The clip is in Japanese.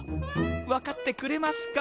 分かってくれますか！